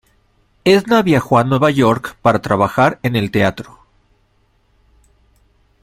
Edna viajó a Nueva York para trabajar en el teatro.